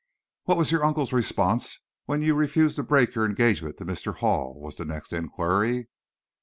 "What was your uncle's response when you refused to break your engagement to Mr. Hall?" was the next inquiry.